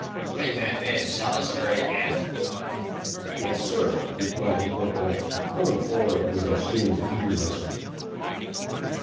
"Bring that man, Salisbury, aft." "Yes, sir," replied the corporal, going forward with assumed eagerness.